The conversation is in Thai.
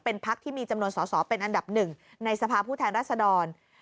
เป็นพักที่มีจำนวนสอสอเป็นอันดับหนึ่งในสภาพผู้แทนรัศดร